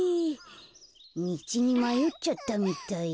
みちにまよっちゃったみたい。